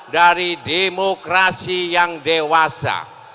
dari demokrasi yang dewasa